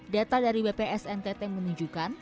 data dari bps ntt menunjukkan